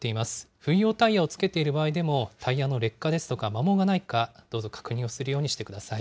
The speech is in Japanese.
冬用タイヤをつけている場合でも、タイヤの劣化ですとか、摩耗がないか、どうぞ確認をするようにしてください。